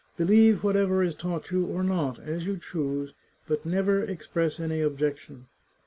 Believe whatever is taught you or not, as you choose, but never express any objection.